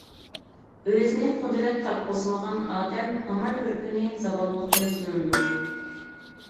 ئۆزىنى قۇدرەت تاپقۇزمىغان ئادەم ھامان بىر كۈنى زاۋاللىققا يۈزلىنىدۇ.